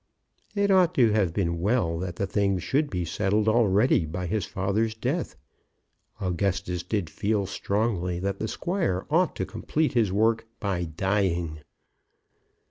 It ought to have been well that the thing should be settled already by his father's death. Augustus did feel strongly that the squire ought to complete his work by dying.